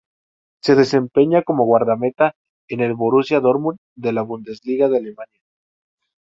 Se desempeña como guardameta en el Borussia Dortmund de la Bundesliga de Alemania.